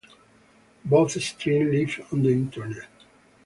Both stream live on the Internet.